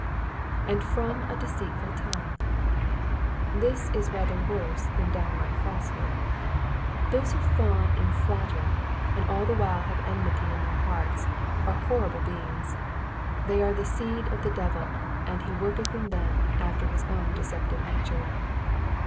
^^And from a deceitful tongue,"*^ This is rather worse than downright falsehood. Those who fawn and flatter, and all the while have enmity in their hearts, are horrible beings ; they are the seed of the devil, and he worketh in them after his own deceptive nature.